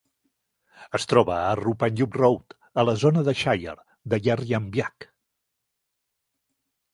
Es troba a Rupanyup Road, a la zona de Shire de Yarriambiack.